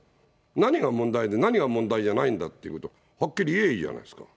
何が問題で何が問題じゃないんだっていうこと、はっきり言えばいいんじゃないですか。